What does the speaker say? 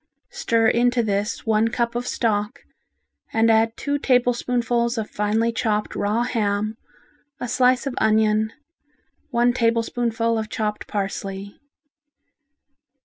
Stir into this one cup of stock, and add two tablespoonfuls of finely chopped raw ham, a slice of onion, one tablespoonful of chopped parsley.